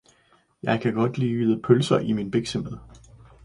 Jeg kan godt lide pølser i min biksemad.